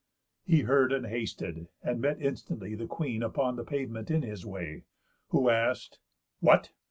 He heard, and hasted; and met instantly The Queen upon the pavement in his way, Who ask'd: "What!